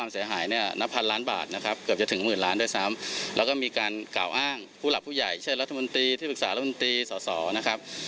เช่นนาฬิชน์รัฐมนตรีทฤษฐารมนตรีนร์ธรรมนิสัมพันธ์ส่อนะครับ